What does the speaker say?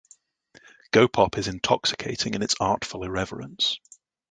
Go Pop is intoxicating in its artful irreverence.